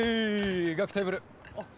ガクテーブルあっ